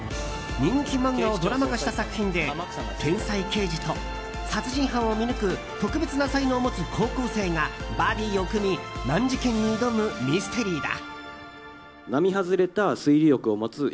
人気漫画をドラマ化した作品で天才刑事と殺人犯を見抜く特別な才能を持つ高校生がバディーを組み難事件に挑む、ミステリーだ。